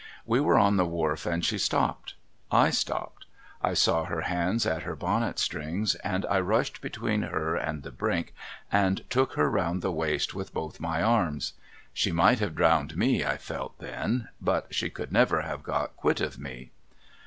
W'e were on the wharf and she stopped. I stopped. I saw her hands at her bonnet strings, and I rushed between her and the brink and took her round the waist with both my arms. She might have drowned me, I felt then, but she could never have got (juit of me.